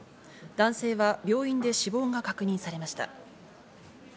男性が病院で死亡が確認されました。